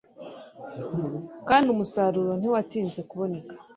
kandi umusaruro ntiwatinze kuboneka